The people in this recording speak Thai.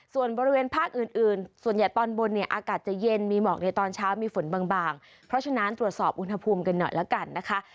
ส่วนบริเวณภาคอื่นอื่นส่วนใหญ่ตอนบนเนี่ยอากาศจะเย็นมีหมอกในตอนเช้ามีฝนบางเพราะฉะนั้นตรวจสอบอุณหภูมิกันหน่อยแล้วกันนะคะ